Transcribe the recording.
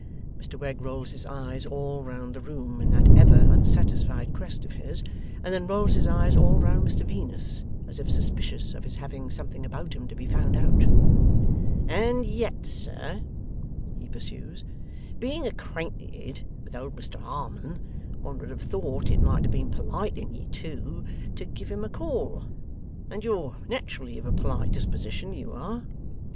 Mr Wegg rolls his eyes all round the room, in that ever unsatisfied quest of his, and then rolls his eyes all round Mr Venus; as if suspicious of his having something about him to be found out. 'And yet, sir,' he pursues, 'being acquainted with old Mr Harmon, one would have thought it might have been polite in you, too, to give him a call. And you're naturally of a polite disposition, you are.